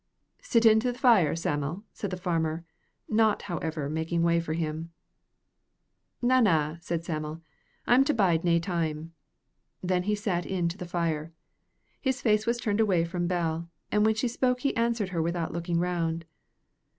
"Sit in to the fire, Sam'l," said the farmer, not, however, making way for him. "Na, na," said Sam'l, "I'm to bide nae time." Then he sat in to the fire. His face was turned away from Bell, and when she spoke he answered her without looking round.